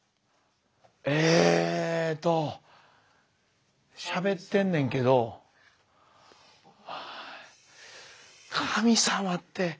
えっとしゃべってんねんけど神様って。